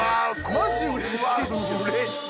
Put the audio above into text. マジうれしい！